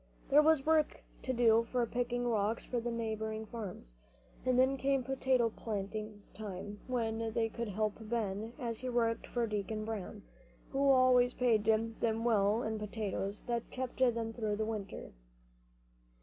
There was work to do picking rocks for the neighboring farmers; and then came potato planting time when they could help Ben as he worked for Deacon Brown, who always paid them well in potatoes that kept them through the winter.